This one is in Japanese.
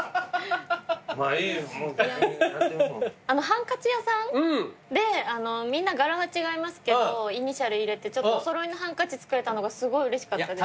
ハンカチ屋さんでみんな柄が違いますけどイニシャル入れてお揃いのハンカチ作れたのがすごいうれしかったです。